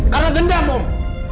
karena dendam om